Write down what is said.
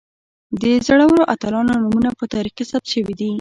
د زړورو اتلانو نومونه په تاریخ کې ثبت شوي دي.